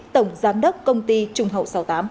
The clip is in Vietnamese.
tổng giám đốc công ty trung hậu sáu mươi tám